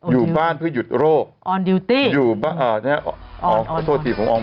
อยู่บ้านเพื่อหยุดโรคออนดิวตี้อ่อขอโทษทีผมออง